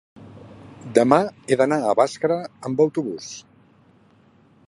demà he d'anar a Bàscara amb autobús.